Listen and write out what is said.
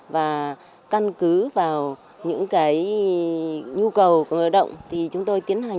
và căn cứ vào những nhu cầu hoạt động thì chúng tôi tiến hành